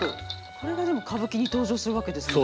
これがでも歌舞伎に登場するわけですもんね。